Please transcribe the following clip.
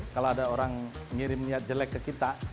kalau ada orang ngirim niat jelek ke kita